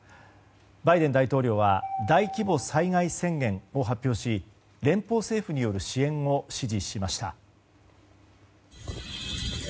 バイデン大統領は大規模災害宣言を発表し連邦政府による支援を支持しました。